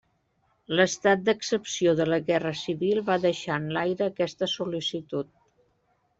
L'estat d'excepció de la Guerra Civil va deixar en l'aire aquesta sol·licitud.